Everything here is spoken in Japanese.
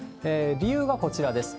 理由がこちらです。